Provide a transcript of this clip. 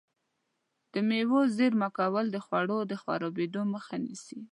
د مېوو زېرمه کول د خوړو د خرابېدو مخه نیسي.